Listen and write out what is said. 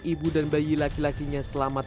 ibu dan bayi laki lakinya selamat